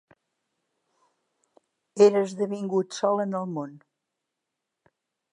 Era esdevingut sol en el món